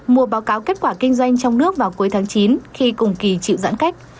mùa báo cáo kết quả kinh doanh trong nước vào cuối tháng chín khi cùng kỳ chịu giãn cách